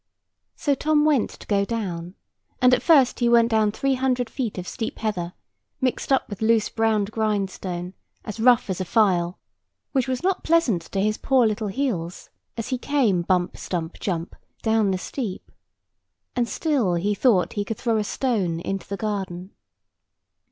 So Tom went to go down; and first he went down three hundred feet of steep heather, mixed up with loose brown grindstone, as rough as a file; which was not pleasant to his poor little heels, as he came bump, stump, jump, down the steep. And still he thought he could throw a stone into the garden.